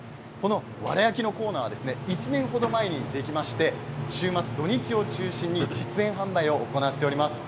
わら焼きのコーナーは１年程前にできまして週末、土日を中心に実演販売が行われています。